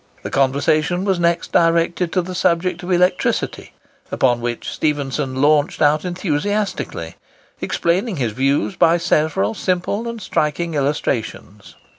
The conversation was next directed to the subject of electricity, upon which Stephenson launched out enthusiastically, explaining his views by several simple and striking illustrations.